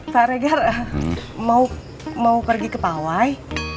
pak regar mau pergi ke pawai